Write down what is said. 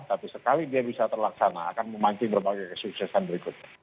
tapi sekali dia bisa terlaksana akan memancing berbagai kesuksesan berikutnya